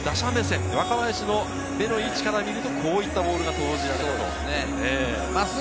若林の目の位置から見ると、こういったボールが投じられています。